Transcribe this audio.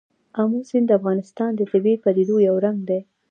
آمو سیند د افغانستان د طبیعي پدیدو یو رنګ دی.